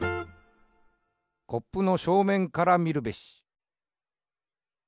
「コップのしょうめんからみるべし。」